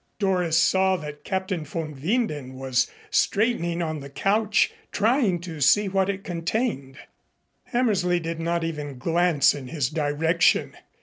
Doris saw that Captain von Winden was straightening on the couch trying to see what it contained. Hammersley did not even glance in his direction.